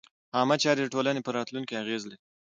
عامه چارې د ټولنې پر راتلونکي اغېز لري.